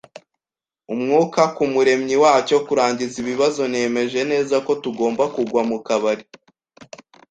Umwuka ku Muremyi wacyo. Kurangiza ibibazo, nemeje neza ko tugomba kugwa mukabari